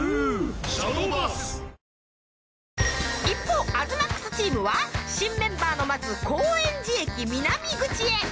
一方東ＭＡＸチームは新メンバーの待つ高円寺駅南口へ。